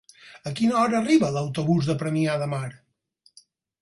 A quina hora arriba l'autobús de Premià de Mar?